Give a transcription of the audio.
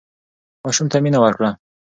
ماشوم ته مینه ورکړه.